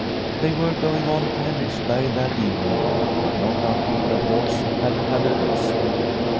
They were going on to Henriksberg that evening, but not until the horse had had a rest.